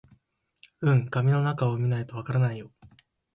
うん、紙の中を見ないとわからないよ